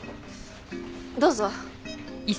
どうぞ。